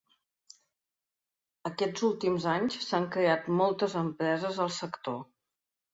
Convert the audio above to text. Aquests últims anys s’han creat moltes empreses al sector.